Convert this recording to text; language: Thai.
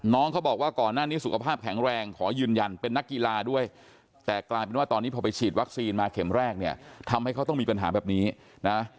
เขาบอกว่าก่อนหน้านี้สุขภาพแข็งแรงขอยืนยันเป็นนักกีฬาด้วยแต่กลายเป็นว่าตอนนี้พอไปฉีดวัคซีนมาเข็มแรกเนี่ยทำให้เขาต้องมีปัญหาแบบนี้นะ